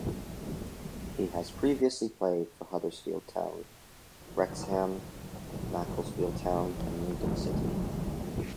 He has previously played for Huddersfield Town, Wrexham, Macclesfield Town, and Lincoln City.